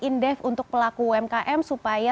indef untuk pelaku umkm supaya